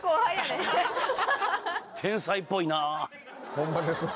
ホンマですね。